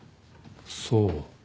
そう。